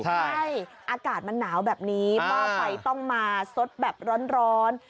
ใช่อากาศมันหนาวแบบนี้หม้อไฟต้องมาสดแบบร้อน